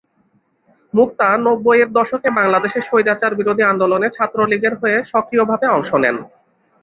মুক্তা নব্বইয়ের দশকে বাংলাদেশে স্বৈরাচার বিরোধী আন্দোলনে ছাত্রলীগের হয়ে সক্রিয়ভাবে অংশ নেন।